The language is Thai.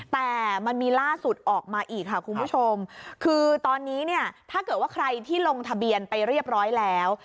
แต่มันมีล่าสุดออกมาอีกค่ะคุณผู้ชมคือตอนนี้เนี่ยถ้าเกิดว่าใครที่ลงทะเบียนไปเรียบร้อยแล้ว